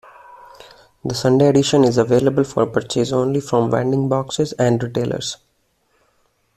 The Sunday edition is available for purchase only from vending boxes and retailers.